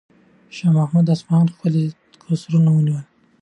شاه محمود د اصفهان ښکلي قصرونه ونیول.